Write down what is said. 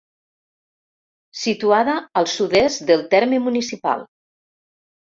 Situada al sud-est del terme municipal.